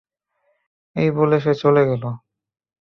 এই বলে সে চলে গেল।